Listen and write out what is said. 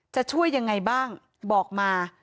จะช่วยยังไงบ้างบอกมา